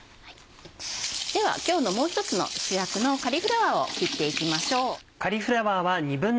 では今日のもう１つの主役のカリフラワーを切っていきましょう。